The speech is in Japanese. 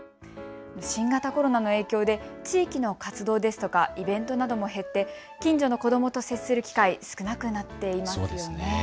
新型コロナの影響で地域の活動ですとかイベントなども減って近所の子どもと接する機会、少なくなっていますよね。